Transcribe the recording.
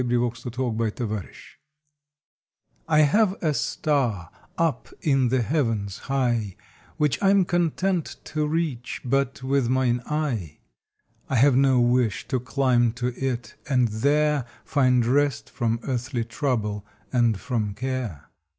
October Tenth MY STAR T HAVE a Star up in the heavens high Which I m content to reach but with mine eye. I have no wish to climb to it and there Find rest from earthly trouble and from care.